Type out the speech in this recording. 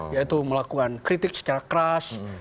yaitu melakukan kritik secara keras